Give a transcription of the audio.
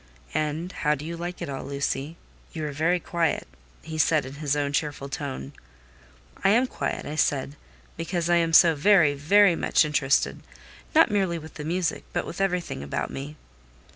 "And how do you like it all, Lucy? You are very quiet," he said, in his own cheerful tone. "I am quiet," I said, "because I am so very, very much interested: not merely with the music, but with everything about me."